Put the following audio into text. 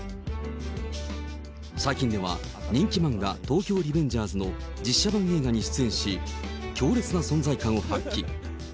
最近では、人気漫画、東京リベンジャーズの実写版映画に出演し、強烈な存在感を発揮。